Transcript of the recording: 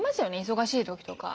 忙しい時とか。